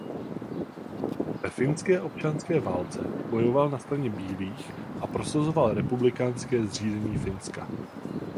Ve finské občanské válce bojoval na straně bílých a prosazoval republikánské zřízení Finska.